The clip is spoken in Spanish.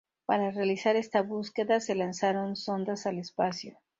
Para realizar esta búsqueda, se lanzaron sondas al espacio.